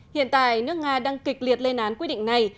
hiện tại nước nga đang kịch liệt lên án quyết định này